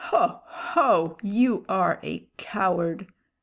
Ho! ho! you are a coward!"